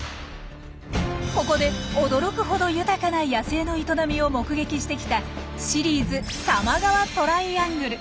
ここで驚くほど豊かな野生の営みを目撃してきたシリーズ多摩川トライアングル。